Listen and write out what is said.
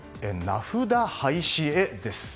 名札、廃止へです。